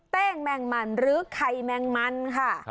้งแมงมันหรือไข่แมงมันค่ะ